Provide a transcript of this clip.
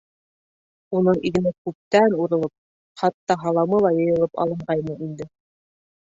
Уның игене күптән урылып, хатта һаламы ла йыйылып алынғайны инде.